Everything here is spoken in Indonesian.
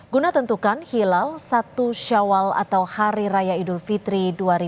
guna tentukan hilal satu syawal atau hari raya idul fitri dua ribu dua puluh